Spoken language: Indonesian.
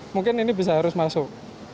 mungkin ini bisa harus masuk